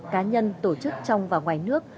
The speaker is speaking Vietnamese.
cá nhân tổ chức trong và ngoài nước